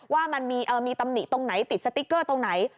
ว่ามันมีตำหนิตรงไหนติดสติ๊กเกอร์ตรงไหน